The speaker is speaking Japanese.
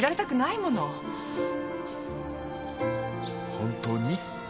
本当に？